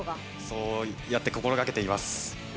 そうやって心掛けています。